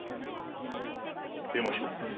出ましょう。